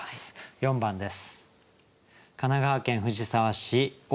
４番です。